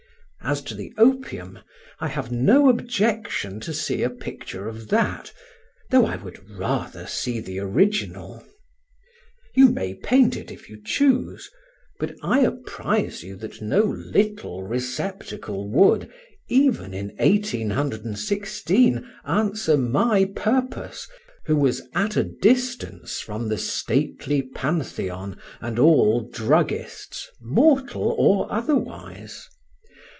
As to the opium, I have no objection to see a picture of that, though I would rather see the original. You may paint it if you choose, but I apprise you that no "little" receptacle would, even in 1816, answer my purpose, who was at a distance from the "stately Pantheon," and all druggists (mortal or otherwise).